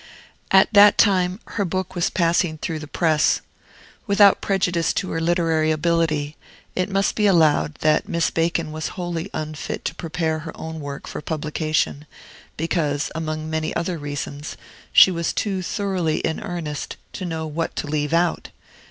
At that time her book was passing through the press. Without prejudice to her literary ability, it must be allowed that Miss Bacon was wholly unfit to prepare her own work for publication, because, among many other reasons, she was too thoroughly in earnest to know what to leave out.